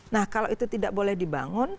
nah kalau itu tidak boleh dibangun